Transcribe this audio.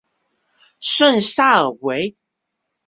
圣萨尔维。